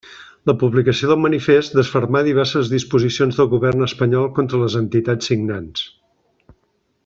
La publicació del manifest desfermà diverses disposicions del govern espanyol contra les entitats signants.